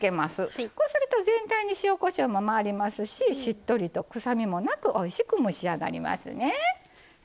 こうすると全体に塩・こしょうも回りますししっとりと臭みもなくおいしく蒸し上がりますね。